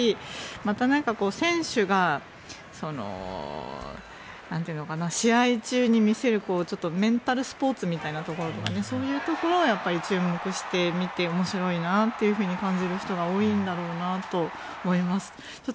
また選手が試合中に見せるメンタルスポーツみたいなところとかそういうところに注目して見て面白いなと感じる人が多いんだろうなと思います。